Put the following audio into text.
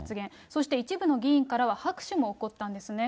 そして一部の議員からは拍手も起こったんですね。